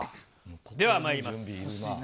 ではまいります。